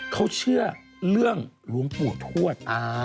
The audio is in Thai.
เขาเชื่อเรื่องหลวงปู่ทวด